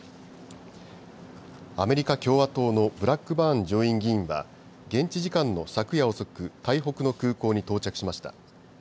アメリカ共和党のブラックバーン上院議員は現地時間の昨夜遅く台北の空港に到着しました。